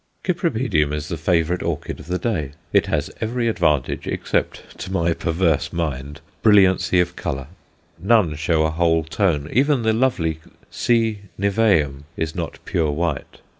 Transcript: Cypripedium is the favourite orchid of the day. It has every advantage, except, to my perverse mind brilliancy of colour. None show a whole tone; even the lovely C. niveum is not pure white.